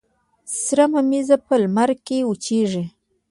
سر ممیز په لمر کې وچیږي.